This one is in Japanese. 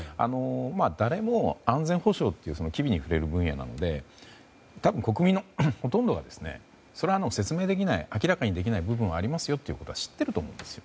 誰も、安全保障っていうのは機微に触れる分野なので多分、国民のほとんどは説明できない明らかにできない部分はありますよということは知っていると思うんです。